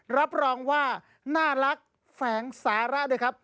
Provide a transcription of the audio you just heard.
รับรองว่าน่ารักแฝงสาระด้วยครับ